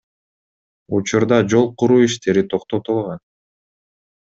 Учурда жол куруу иштери токтотулган.